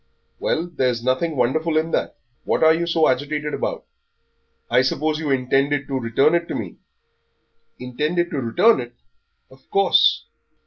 "Well, there's nothing wonderful in that. What are you so agitated about? I suppose you intended to return it to me?" "Intended to return it! Of course."